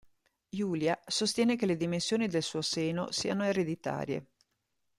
Yulia sostiene che le dimensioni del suo seno siano ereditarie.